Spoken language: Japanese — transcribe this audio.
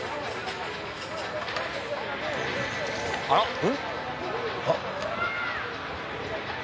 あら！